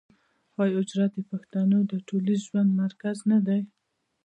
آیا حجره د پښتنو د ټولنیز ژوند مرکز نه دی؟